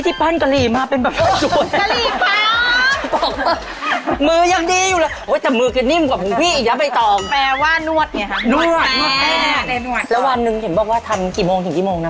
มีกี่ไส่ละที่ร้าน